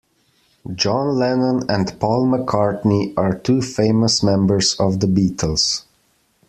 John Lennon and Paul McCartney are two famous members of the Beatles.